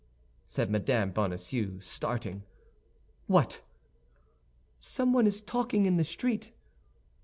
said Mme. Bonacieux, starting. "What!" "Someone is talking in the street."